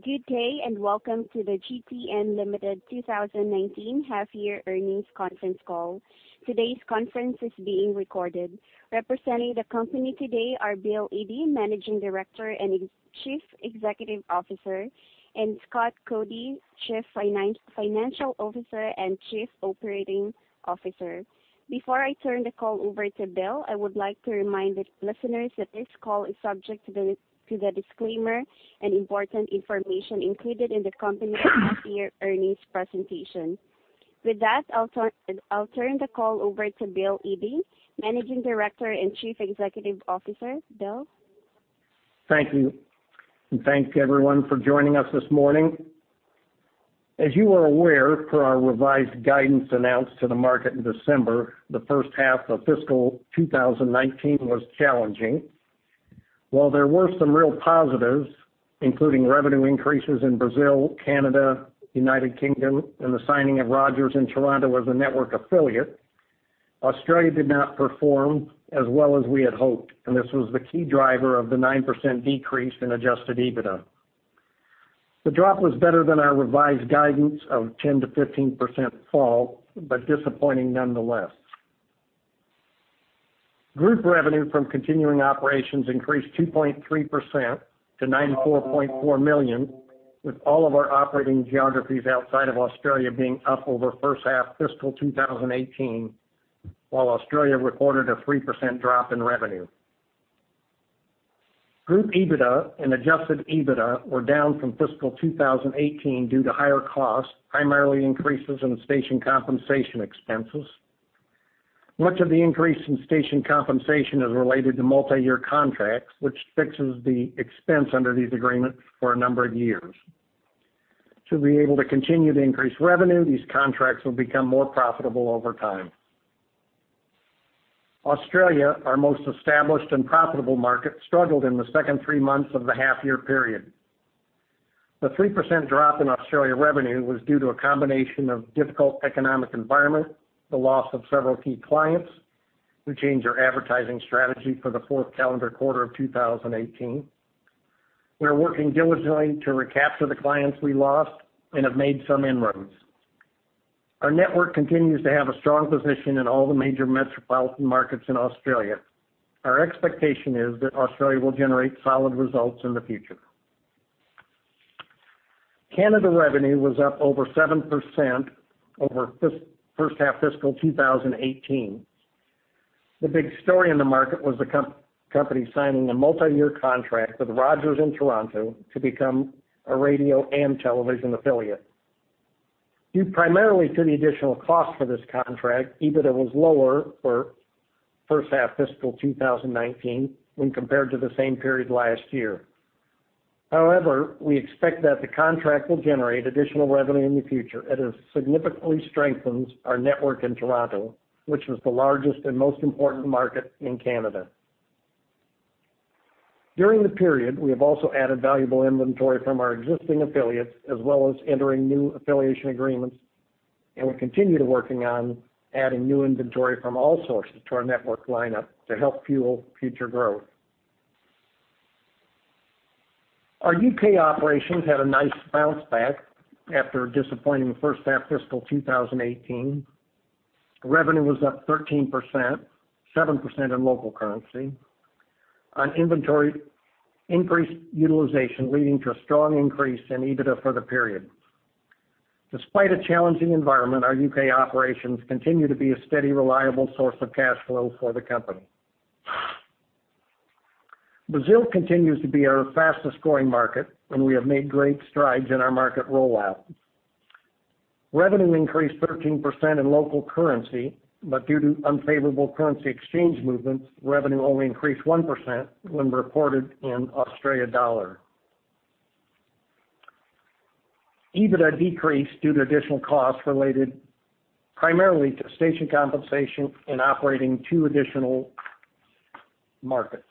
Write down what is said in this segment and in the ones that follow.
Good day, welcome to the GTN Limited 2019 half-year earnings conference call. Today's conference is being recorded. Representing the company today are William Yde, Managing Director and Chief Executive Officer, and Scott Cody, Chief Financial Officer and Chief Operating Officer. Before I turn the call over to Bill, I would like to remind the listeners that this call is subject to the disclaimer and important information included in the company's half-year earnings presentation. With that, I will turn the call over to William Yde, Managing Director and Chief Executive Officer. Bill? Thank you. Thank you everyone for joining us this morning. As you are aware, per our revised guidance announced to the market in December, the first half of fiscal 2019 was challenging. While there were some real positives, including revenue increases in Brazil, Canada, United Kingdom, and the signing of Rogers in Toronto as a network affiliate, Australia did not perform as well as we had hoped, and this was the key driver of the 9% decrease in adjusted EBITDA. The drop was better than our revised guidance of 10%-15% fall, but disappointing nonetheless. Group revenue from continuing operations increased 2.3% to 94.4 million, with all of our operating geographies outside of Australia being up over first half fiscal 2018, while Australia reported a 3% drop in revenue. Group EBITDA and adjusted EBITDA were down from fiscal 2018 due to higher costs, primarily increases in station compensation expenses. Much of the increase in station compensation is related to multi-year contracts, which fixes the expense under these agreements for a number of years. To be able to continue to increase revenue, these contracts will become more profitable over time. Australia, our most established and profitable market, struggled in the second three months of the half-year period. The 3% drop in Australia revenue was due to a combination of difficult economic environment, the loss of several key clients who changed our advertising strategy for the fourth calendar quarter of 2018. We are working diligently to recapture the clients we lost and have made some inroads. Our network continues to have a strong position in all the major metropolitan markets in Australia. Our expectation is that Australia will generate solid results in the future. Canada revenue was up over 7% over first half fiscal 2018. The big story in the market was the company signing a multi-year contract with Rogers in Toronto to become a radio and television affiliate. Due primarily to the additional cost for this contract, EBITDA was lower for first half fiscal 2019 when compared to the same period last year. We expect that the contract will generate additional revenue in the future as it significantly strengthens our network in Toronto, which was the largest and most important market in Canada. During the period, we have also added valuable inventory from our existing affiliates as well as entering new affiliation agreements, and we continue to working on adding new inventory from all sources to our network lineup to help fuel future growth. Our U.K. operations had a nice bounce back after disappointing first half fiscal 2018. Revenue was up 13%, 7% in local currency, on inventory increased utilization, leading to a strong increase in EBITDA for the period. Despite a challenging environment, our U.K. operations continue to be a steady, reliable source of cash flow for the company. Brazil continues to be our fastest-growing market, and we have made great strides in our market rollout. Revenue increased 13% in local currency, but due to unfavorable currency exchange movements, revenue only increased 1% when reported in AUD. EBITDA decreased due to additional costs related primarily to station compensation and operating two additional markets.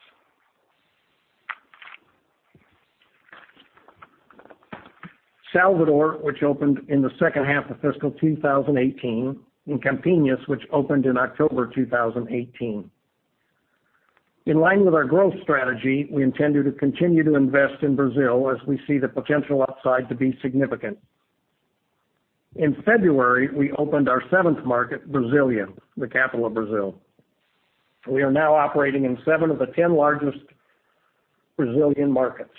Salvador, which opened in the second half of fiscal 2018, and Campinas, which opened in October 2018. In line with our growth strategy, we intended to continue to invest in Brazil as we see the potential upside to be significant. In February, we opened our seventh market, Brasília, the capital of Brazil. We are now operating in seven of the 10 largest Brazilian markets.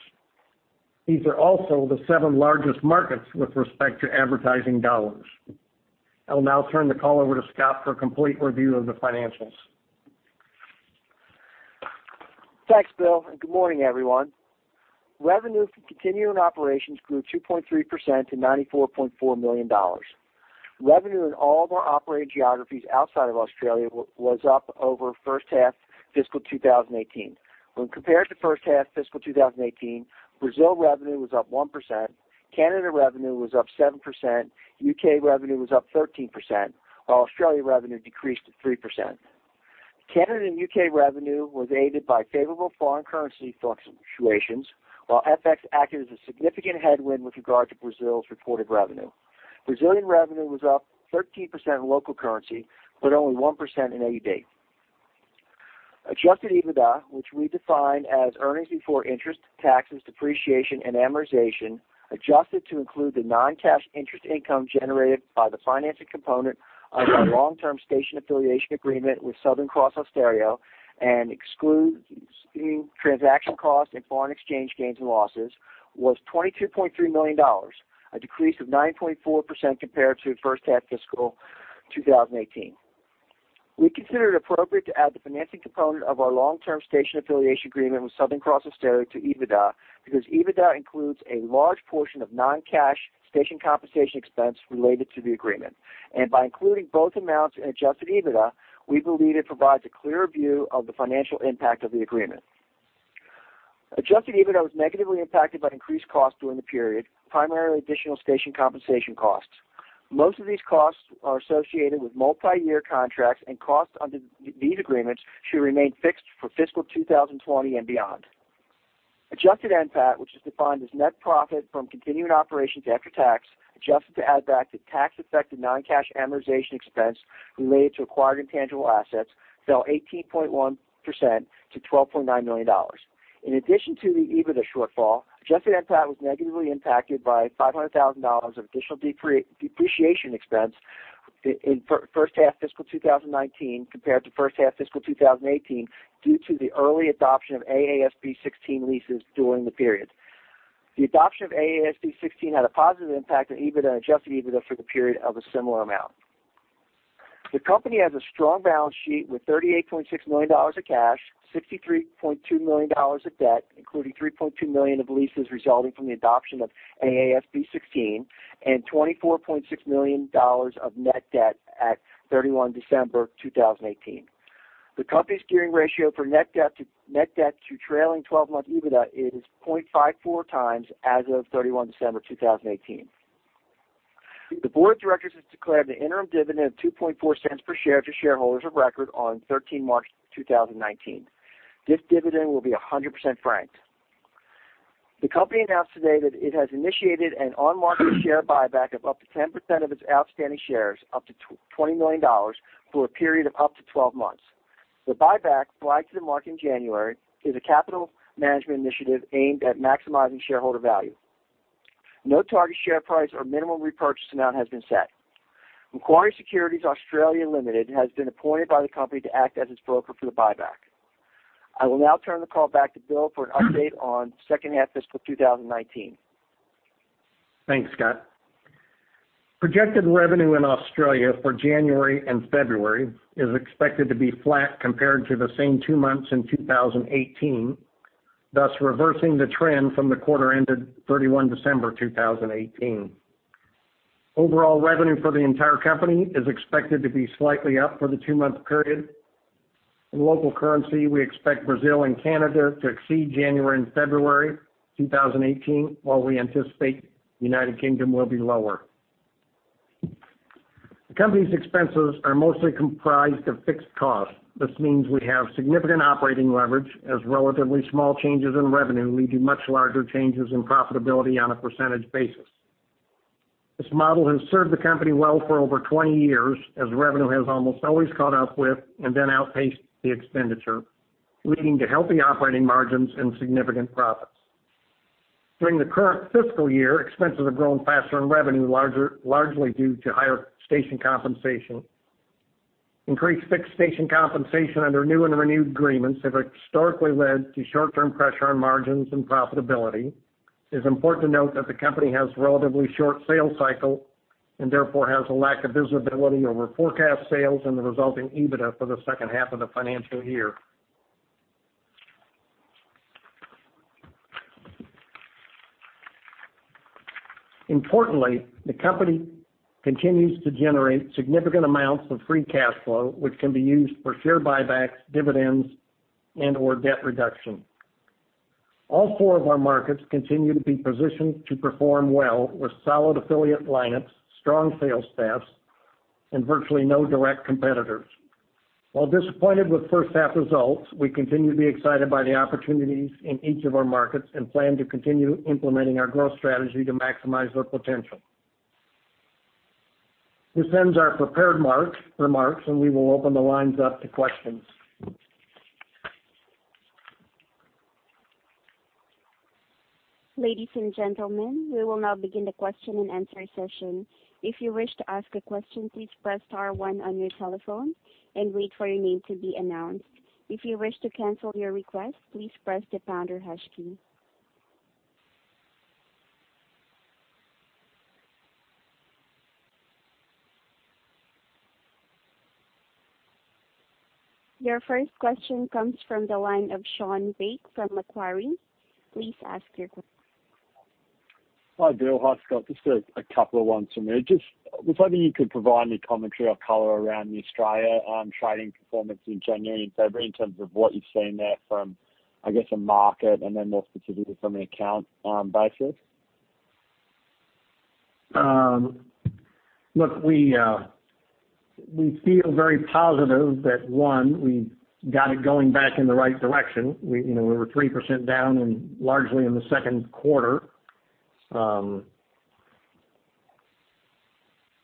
These are also the seven largest markets with respect to advertising dollars. I will now turn the call over to Scott for a complete review of the financials. Thanks, Bill, and good morning, everyone. Revenue from continuing operations grew 2.3% to 94.4 million dollars. Revenue in all of our operating geographies outside of Australia was up over first half fiscal 2018. When compared to first half fiscal 2018, Brazil revenue was up 1%, Canada revenue was up 7%, U.K. revenue was up 13%, while Australia revenue decreased to 3%. Canada and U.K. revenue was aided by favorable foreign currency fluctuations, while FX acted as a significant headwind with regard to Brazil's reported revenue. Brazilian revenue was up 13% in local currency, but only 1% in AUD. Adjusted EBITDA, which we define as earnings before interest, taxes, depreciation, and amortization, adjusted to include the non-cash interest income generated by the financing component of our long-term station affiliation agreement with Southern Cross Austereo and excludes transaction costs and foreign exchange gains and losses, was 22.3 million dollars, a decrease of 9.4% compared to first half fiscal 2018. We consider it appropriate to add the financing component of our long-term station affiliation agreement with Southern Cross Austereo to EBITDA, because EBITDA includes a large portion of non-cash station compensation expense related to the agreement. By including both amounts in adjusted EBITDA, we believe it provides a clearer view of the financial impact of the agreement. Adjusted EBITDA was negatively impacted by increased costs during the period, primarily additional station compensation costs. Most of these costs are associated with multi-year contracts, costs under these agreements should remain fixed for fiscal 2020 and beyond. Adjusted NPAT, which is defined as net profit from continuing operations after tax, adjusted to add back the tax effect of non-cash amortization expense related to acquired intangible assets, fell 18.1% to 12.9 million dollars. In addition to the EBITDA shortfall, adjusted NPAT was negatively impacted by 500,000 dollars of additional depreciation expense in first half fiscal 2019 compared to first half fiscal 2018, due to the early adoption of AASB 16 leases during the period. The adoption of AASB 16 had a positive impact on EBITDA and adjusted EBITDA for the period of a similar amount. The company has a strong balance sheet with 38.6 million dollars of cash, 63.2 million dollars of debt, including 3.2 million of leases resulting from the adoption of AASB 16, and 24.6 million dollars of net debt at 31 December 2018. The company's gearing ratio for net debt to trailing 12-month EBITDA is 0.54 times as of December 31st, 2018. The board of directors has declared an interim dividend of 0.024 per share to shareholders of record on March 13th, 2019. This dividend will be 100% franked. The company announced today that it has initiated an on-market share buyback of up to 10% of its outstanding shares, up to 20 million dollars, for a period of up to 12 months. The buyback, flagged to the market in January, is a capital management initiative aimed at maximizing shareholder value. No target share price or minimum repurchase amount has been set. Macquarie Securities Australia Limited has been appointed by the company to act as its broker for the buyback. I will now turn the call back to Bill for an update on second half fiscal 2019. Thanks, Scott. Projected revenue in Australia for January and February is expected to be flat compared to the same two months in 2018, thus reversing the trend from the quarter ended December 31st, 2018. Overall revenue for the entire company is expected to be slightly up for the two-month period. In local currency, we expect Brazil and Canada to exceed January and February 2018, while we anticipate United Kingdom will be lower. The company's expenses are mostly comprised of fixed costs. This means we have significant operating leverage as relatively small changes in revenue lead to much larger changes in profitability on a percentage basis. This model has served the company well for over 20 years as revenue has almost always caught up with and then outpaced the expenditure, leading to healthy operating margins and significant profits. During the current fiscal year, expenses have grown faster than revenue, largely due to higher station compensation. Increased fixed station compensation under new and renewed agreements have historically led to short-term pressure on margins and profitability. It is important to note that the company has a relatively short sales cycle and therefore has a lack of visibility over forecast sales and the resulting EBITDA for the second half of the financial year. Importantly, the company continues to generate significant amounts of free cash flow, which can be used for share buybacks, dividends, and/or debt reduction. All four of our markets continue to be positioned to perform well with solid affiliate lineups, strong sales staffs, and virtually no direct competitors. While disappointed with first half results, we continue to be excited by the opportunities in each of our markets and plan to continue implementing our growth strategy to maximize their potential. This ends our prepared remarks, and we will open the lines up to questions. Ladies and gentlemen, we will now begin the question-and-answer session. If you wish to ask a question, please press star one on your telephone and wait for your name to be announced. If you wish to cancel your request, please press the pound or hash key. Your first question comes from the line of Shaun Weick from Macquarie. Please ask your Hi, Bill. Hi, Scott. Just a couple of ones from me. Just was wondering if you could provide any commentary or color around the Australia trading performance in January and February in terms of what you've seen there from, I guess, the market and then more specifically from an account basis. Look, we feel very positive that, one, we got it going back in the right direction. We were 3% down largely in the Q2.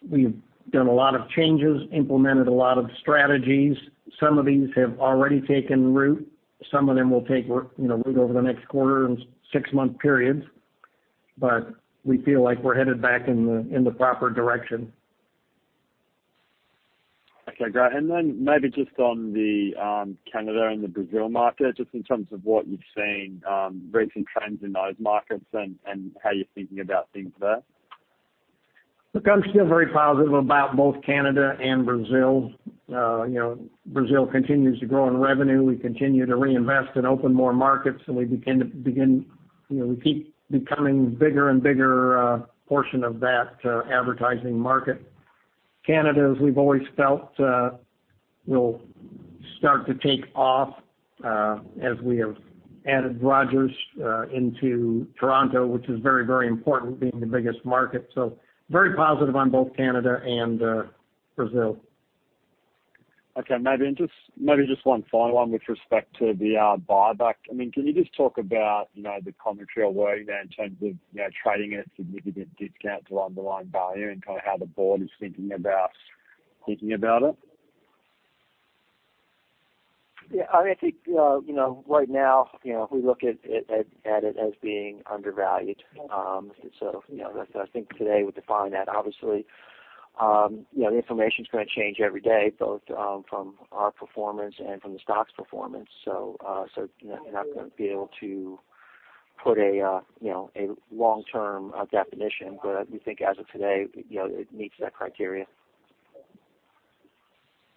we've done a lot of changes, implemented a lot of strategies. Some of these have already taken root. Some of them will take root over the next quarter and six-month periods. We feel like we're headed back in the proper direction. Okay, great. Maybe just on the Canada and the Brazil market, just in terms of what you've seen, recent trends in those markets and how you're thinking about things there. Look, I'm still very positive about both Canada and Brazil. Brazil continues to grow in revenue. We continue to reinvest and open more markets, and we keep becoming bigger and bigger portion of that advertising market. Canada, as we've always felt, will start to take off as we have added Rogers into Toronto, which is very, very important being the biggest market. Very positive on both Canada and Brazil. Okay. Maybe just one final one with respect to the buyback. Can you just talk about the commentary or where you're at in terms of trading at significant discount to underlying value and how the board is thinking about it? Yeah, I think, right now, we look at it as being undervalued. I think today would define that obviously. Information's going to change every day, both from our performance and from the stock's performance. You're not going to be able to put a long-term definition, but we think as of today, it meets that criteria.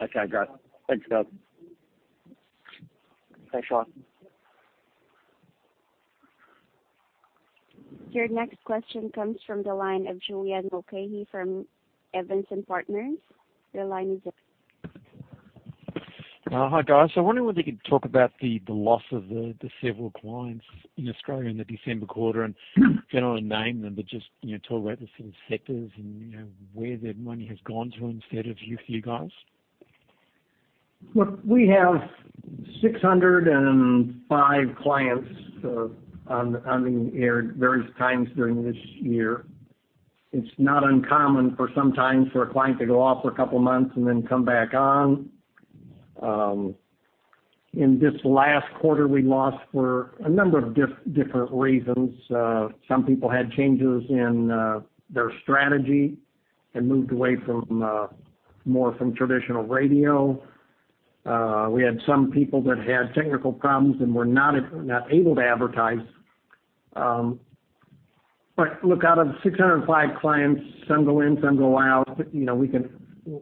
Okay, great. Thanks, Scott. Thanks, Shaun. Your next question comes from the line of Julian Mulcahy from Evans & Partners. Your line is open. Hi, guys. I wonder whether you could talk about the loss of the several clients in Australia in the December quarter, and if you don't want to name them, but just talk about the sort of sectors and where their money has gone to instead of you guys. Look, we have 605 clients on the air various times during this year. It's not uncommon for some time for a client to go off for a couple of months and then come back on. In this last quarter, we lost for a number of different reasons. Some people had changes in their strategy and moved away more from traditional radio. We had some people that had technical problems and were not able to advertise. Look, out of 605 clients, some go in, some go out.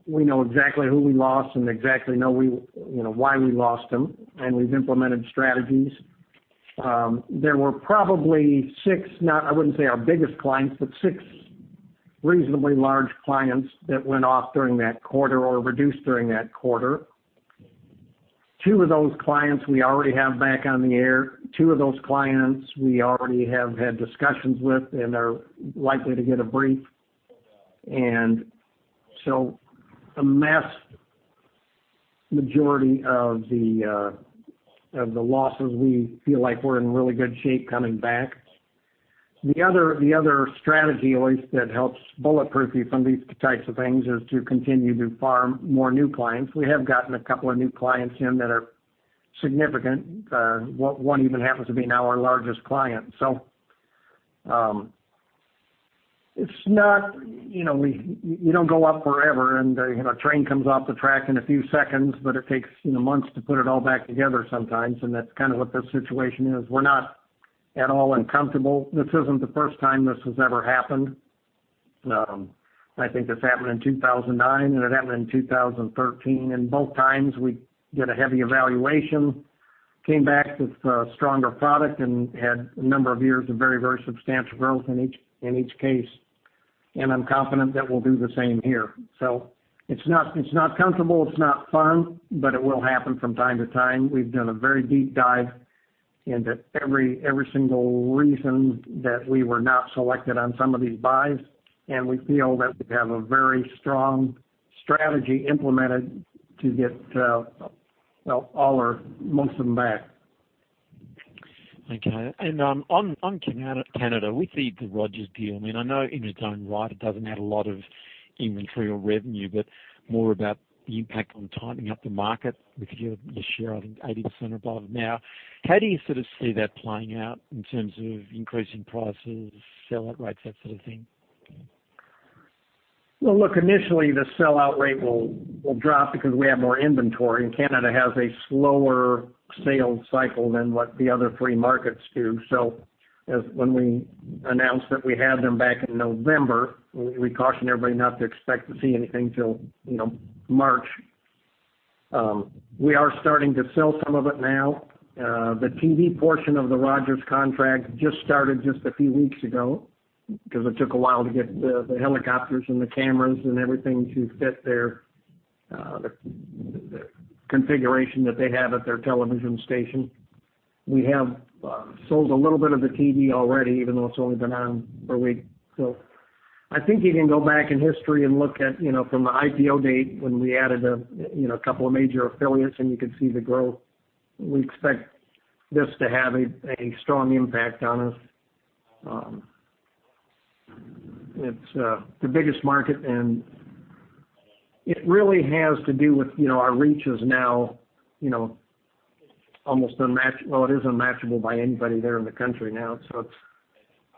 We know exactly who we lost and exactly know why we lost them, and we've implemented strategies. There were probably six, I wouldn't say our biggest clients, but six reasonably large clients that went off during that quarter or reduced during that quarter. Two of those clients we already have back on the air. Two of those clients we already have had discussions with and are likely to get a brief. A vast majority of the losses, we feel like we're in really good shape coming back. The other strategy always that helps bulletproof you from these types of things is to continue to farm more new clients. We have gotten a couple of new clients in that are significant. One even happens to be now our largest client. You don't go up forever, and a train comes off the track in a few seconds, but it takes months to put it all back together sometimes, and that's kind of what this situation is. We're not at all uncomfortable. This isn't the first time this has ever happened. I think this happened in 2009, and it happened in 2013, and both times we did a heavy evaluation, came back with a stronger product, and had a number of years of very, very substantial growth in each case. I'm confident that we'll do the same here. It's not comfortable, it's not fun, but it will happen from time to time. We've done a very deep dive into every single reason that we were not selected on some of these buys, and we feel that we have a very strong strategy implemented to get most of them back. Okay. On Canada, with the Rogers deal, I know in its own right, it doesn't add a lot of inventory or revenue, but more about the impact on tightening up the market with your share, I think 80% or above now. How do you sort of see that playing out in terms of increasing prices, sellout rates, that sort of thing? Well, look, initially the sellout rate will drop because we have more inventory. Canada has a slower sales cycle than what the other three markets do. When we announced that we had them back in November, we cautioned everybody not to expect to see anything till March. We are starting to sell some of it now. The TV portion of the Rogers contract just started just a few weeks ago because it took a while to get the helicopters and the cameras and everything to fit their configuration that they have at their television station. We have sold a little bit of the TV already, even though it's only been on for a week. I think you can go back in history and look at from the IPO date when we added a couple of major affiliates and you could see the growth. We expect this to have a strong impact on us. It's the biggest market. It really has to do with our reach is now almost unmatchable by anybody there in the country now.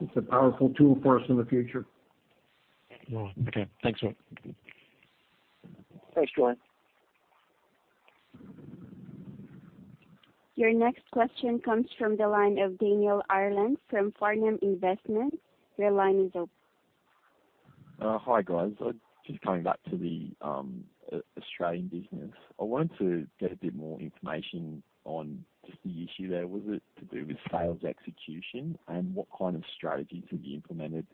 It's a powerful tool for us in the future. Okay. Thanks you. Thanks, Julian. Your next question comes from the line of Daniel Ireland from Farnham Investments. Your line is open. Hi, guys. Just coming back to the Australian business. I wanted to get a bit more information on just the issue there. Was it to do with sales execution, what kind of strategy to be implemented?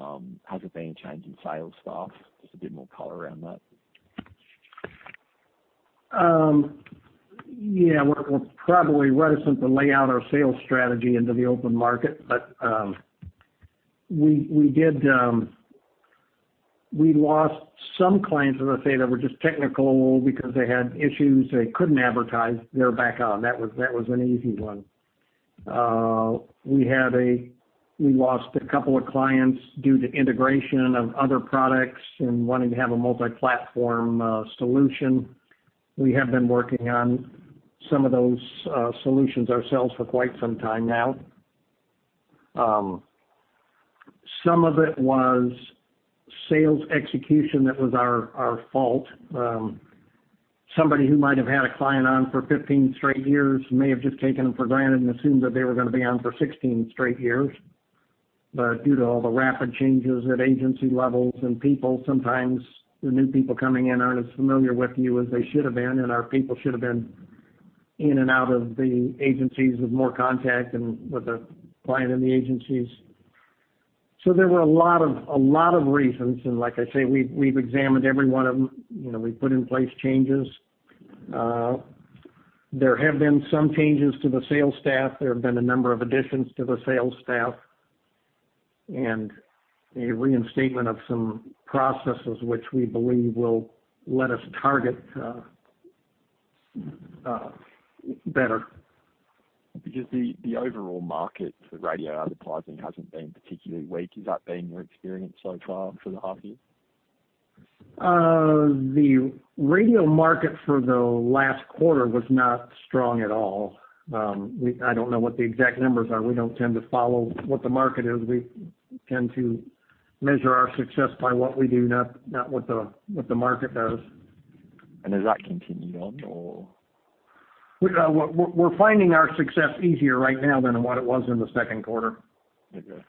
Has there been a change in sales staff? Just a bit more color around that. Yeah, we're probably reticent to lay out our sales strategy into the open market. We lost some clients, as I say, that were just technical because they had issues. They couldn't advertise. They're back on. That was an easy one. We lost a couple of clients due to integration of other products and wanting to have a multi-platform solution. We have been working on some of those solutions ourselves for quite some time now. Some of it was sales execution that was our fault. Somebody who might have had a client on for 15 straight years may have just taken them for granted and assumed that they were going to be on for 16 straight years. Due to all the rapid changes at agency levels and people, sometimes the new people coming in aren't as familiar with you as they should have been, and our people should have been in and out of the agencies with more contact and with the client and the agencies. There were a lot of reasons, and like I say, we've examined every one of them. We've put in place changes. There have been some changes to the sales staff. There have been a number of additions to the sales staff and a reinstatement of some processes which we believe will let us target better. The overall market for radio advertising hasn't been particularly weak. Has that been your experience so far for the half year? The radio market for the last quarter was not strong at all. I don't know what the exact numbers are. We don't tend to follow what the market is. We tend to measure our success by what we do, not what the market does. Has that continued on or? We're finding our success easier right now than what it was in the Q2. Okay.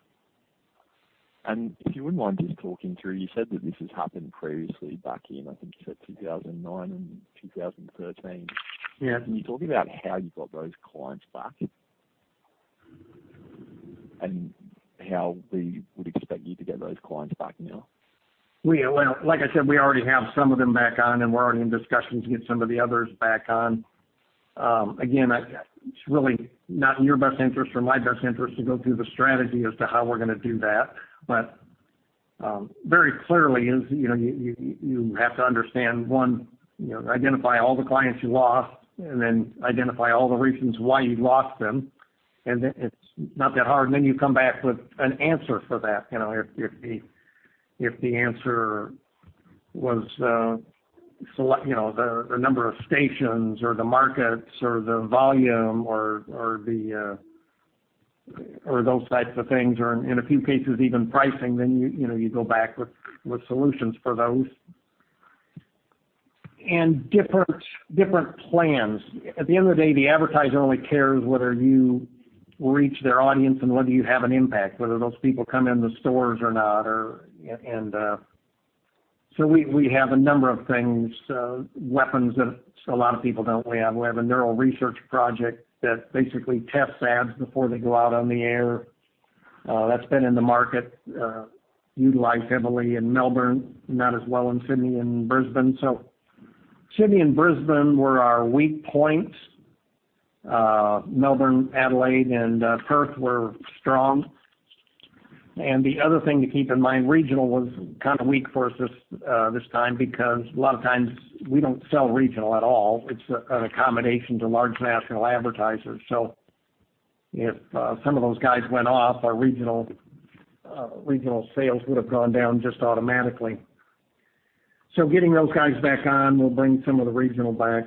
If you wouldn't mind just talking through, you said that this has happened previously back in, I think you said 2009 and 2013. Yes. Can you talk about how you got those clients back? How we would expect you to get those clients back now? Well, like I said, we already have some of them back on, and we're already in discussions to get some of the others back on. Again, it's really not in your best interest or my best interest to go through the strategy as to how we're going to do that. Very clearly, you have to understand, one, identify all the clients you lost and then identify all the reasons why you lost them. It's not that hard. Then you come back with an answer for that. If the answer was the number of stations or the markets or the volume or those types of things, or in a few cases even pricing, then you go back with solutions for those. Different plans. At the end of the day, the advertiser only cares whether you reach their audience and whether you have an impact, whether those people come in the stores or not. We have a number of things, weapons that a lot of people don't have. We have a neural research project that basically tests ads before they go out on the air. That's been in the market, utilized heavily in Melbourne, not as well in Sydney and Brisbane. Sydney and Brisbane were our weak points. Melbourne, Adelaide, and Perth were strong. The other thing to keep in mind, regional was kind of weak for us this time because a lot of times we don't sell regional at all. It's an accommodation to large national advertisers. If some of those guys went off, our regional sales would have gone down just automatically. Getting those guys back on will bring some of the regional back.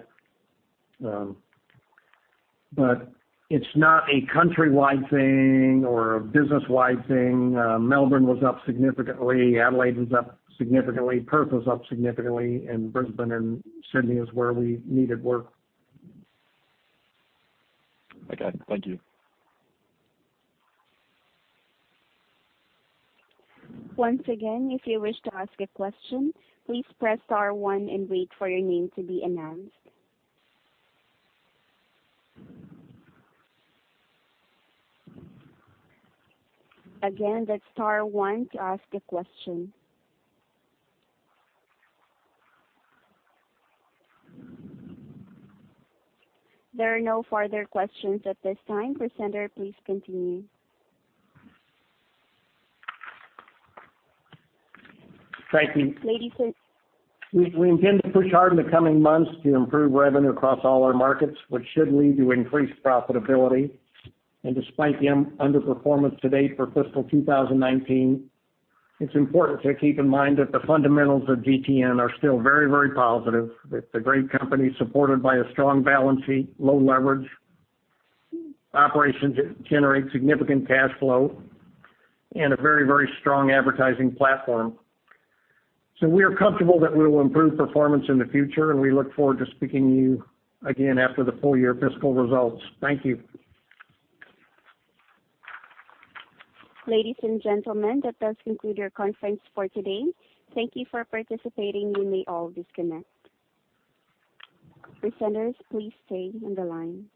It's not a countrywide thing or a business-wide thing. Melbourne was up significantly. Adelaide was up significantly. Perth was up significantly. Brisbane and Sydney is where we needed work. Okay. Thank you. Once again, if you wish to ask a question, please press star one and wait for your name to be announced. Again, that's star one to ask a question. There are no further questions at this time. Presenter, please continue. Thank you. Ladies and- We intend to push hard in the coming months to improve revenue across all our markets, which should lead to increased profitability. Despite the underperformance to date for fiscal 2019, it's important to keep in mind that the fundamentals of GTN are still very, very positive. It's a great company supported by a strong balance sheet, low leverage. Operations generate significant cash flow and a very, very strong advertising platform. We are comfortable that we will improve performance in the future, and we look forward to speaking to you again after the full-year fiscal results. Thank you. Ladies and gentlemen, that does conclude our conference for today. Thank you for participating. You may all disconnect. Presenters, please stay on the line.